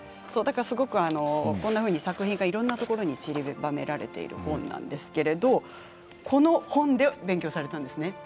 だからすごくこんなふうに作品がいろんなところにちりばめられている本なんですけれどこの本で勉強されたんですね。